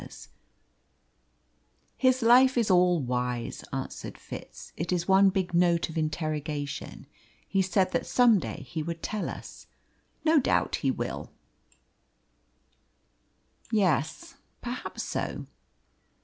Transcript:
"His life is all whys," answered Fitz; "it is one big note of interrogation. He said that some day he would tell us; no doubt he will." "Yes; perhaps so."